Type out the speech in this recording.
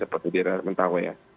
seperti biar mereka mengetahui ya